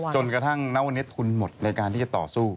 จนกระทั่งน้องเวอร์เน็ตทุนหมดในการที่จะต่อสู้